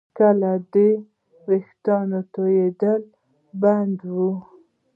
کېله د ویښتانو تویېدل بندوي.